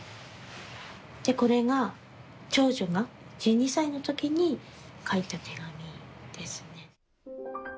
これが長女が１２歳の時に書いた手紙ですね。